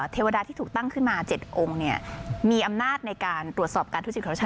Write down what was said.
เทวดาที่ถูกตั้งขึ้นมา๗องค์เนี่ยมีอำนาจในการตรวจสอบการทุจิตของชาติ